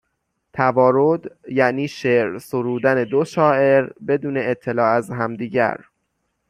توارد یعنی شعر سرودن دو شاعر بدون اطلاع از همدیگر